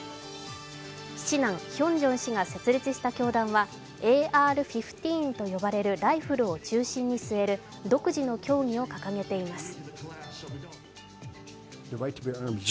七男・ヒョンジン氏が設立した教団はＡＲ１５と呼ばれるライフルを中心に据える独自の教義を掲げています。